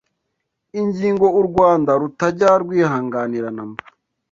ingingo u Rwanda rutajya rwihanganira na mba